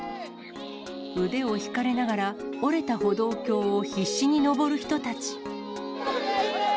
腕を引かれながら、折れた歩道橋を必死に登る人たち。